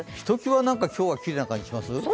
ひときわ、今日はなんかきれいな感じがします？